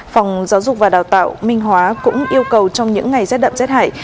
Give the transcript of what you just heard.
phòng giáo dục và đào tạo minh hóa cũng yêu cầu trong những ngày rét đậm rét hại